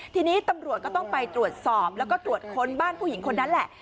ทีนี้ตำรวจก็ต้องไปตรวจสอบแล้วก็ตรวจค้นบ้านผู้หญิงคนนั้นแหละ